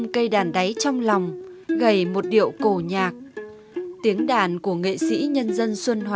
cây đàn đáy cũng có những thăng trầm nhất định